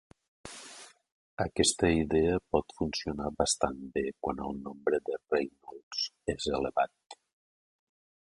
Aquesta idea pot funcionar bastant bé quan el nombre de Reynolds és elevat.